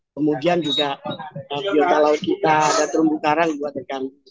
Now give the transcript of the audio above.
kemudian juga biota laut kita ada terumbu karang juga tergantung